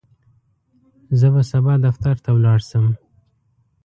زه به سبا دفتر ته ولاړ شم.